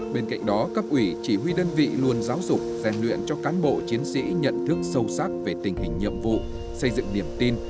bên cạnh đó cấp ủy chỉ huy đơn vị luôn giáo dục rèn luyện cho cán bộ chiến sĩ nhận thức sâu sắc về tình hình nhiệm vụ xây dựng điểm tin